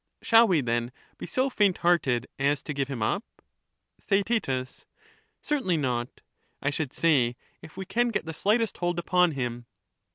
Shall we then be so faint hearted as to give him up ? TheaeU Certainly not, I should say, if we can get the slightest hold upon him.